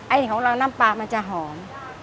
ไอ้ของเราน้ำปลามันจะหอม